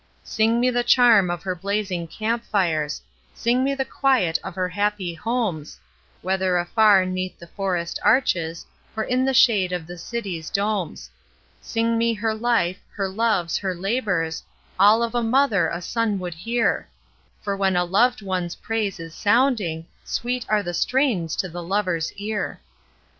Sing me the charm of her blazing camp fires; Sing me the quiet of her happy homes, Whether afar 'neath the forest arches, Or in the shade of the city's domes; Sing me her life, her loves, her labours; All of a mother a son would hear; For when a lov'd one's praise is sounding, Sweet are the strains to the lover's ear.